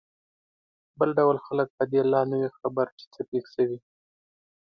بل ډول خلک په دې لا نه وي خبر چې څه پېښ شوي.